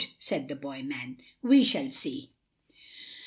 said the boy man, "we shall see."